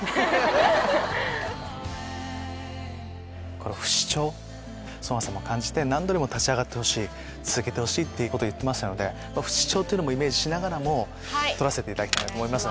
この不死鳥を成河さんも感じて何度でも立ち上がってほしい続けてほしいって言ってたので不死鳥もイメージしながら撮らせていただきたいと思います。